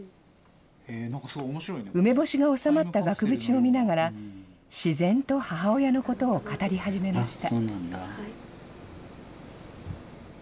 梅干しが収まった額縁を見ながら、自然と母親のことを語り始めました。